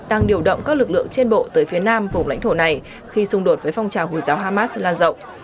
đang điều động các lực lượng trên bộ tới phía nam vùng lãnh thổ này khi xung đột với phong trào hồi giáo hamas lan rộng